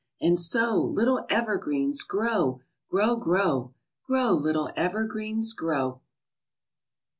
And so, Little evergreens, grow! Grow, grow! Grow, little evergreens, grow!